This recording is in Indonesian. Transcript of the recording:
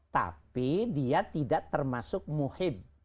tapi dia tidak termasuk muhib